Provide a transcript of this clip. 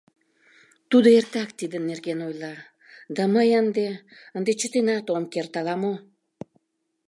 Тудо эртак тидын нерген ойла, да мый ынде... ынде чытенат ом керт ала-мо!